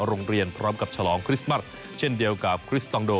พร้อมกับฉลองคริสต์มัสเช่นเดียวกับคริสตองโด